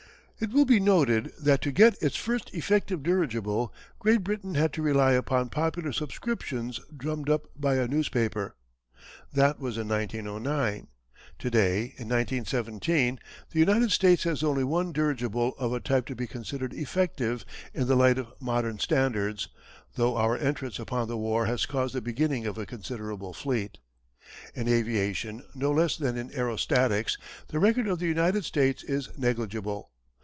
It will be noted that to get its first effective dirigible Great Britain had to rely upon popular subscriptions drummed up by a newspaper. That was in 1909. To day, in 1917, the United States has only one dirigible of a type to be considered effective in the light of modern standards, though our entrance upon the war has caused the beginning of a considerable fleet. In aviation no less than in aerostatics the record of the United States is negligible.